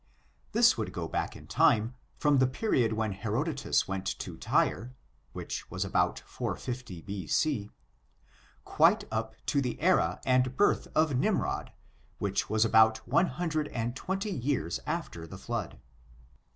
This would go back in time, from the period when Herodotus went to Tyre (which was about 460 B. C), quite up to the era and birth of Nimrod, which was about one hundred and twenty years afler the flood.